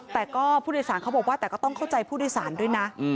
แต่ก็ผู้โดยสารเขาบอกว่าแต่ก็ต้องเข้าใจผู้โดยสารด้วยนะ